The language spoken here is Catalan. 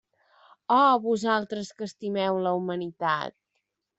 Oh vosaltres que estimeu la humanitat!